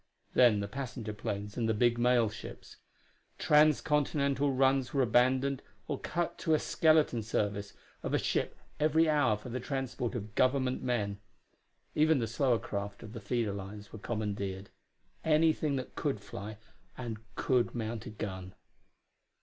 Then the passenger planes and the big mail ships. Transcontinental runs were abandoned or cut to a skeleton service of a ship every hour for the transport of Government men. Even the slower craft of the feeder lines were commandeered; anything that could fly and could mount a gun.